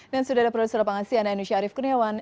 dan sudah ada produser pengasian dan inusia arief kuniawan